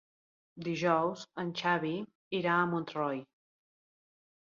Dijous en Xavi irà a Montroi.